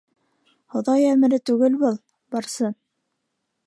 Хоҙай әмере түгел был, Барсын...